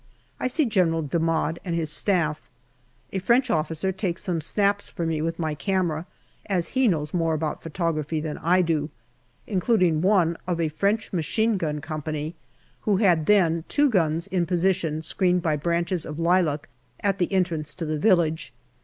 I see General D'Amade and his Staff. A French officer takes some snaps for me with my camera, as he knows more about photography than I do, including one of a French machine gun company, who had then two guns in position screened by branches of lilac at the entrance to the village.